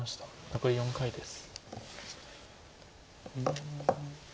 残り４回です。